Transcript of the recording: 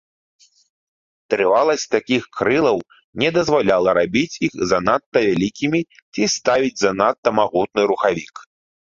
Трываласць такіх крылаў не дазваляла рабіць іх занадта вялікімі ці ставіць занадта магутны рухавік.